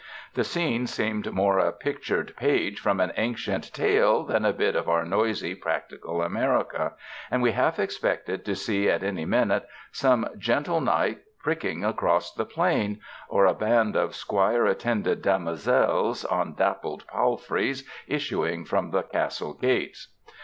The scene seemed more a pictured page from an ancient tale than a bit of our noisy, practical America, and we half expected to see at any minute some "gentle knight pricking across the plain," or a band of squire attended damosels on dappled palfreys issu ing from the castle gates.